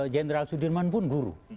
general sudirman pun guru